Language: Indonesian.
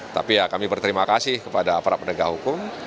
tapi ya kami berterima kasih kepada para penegak hukum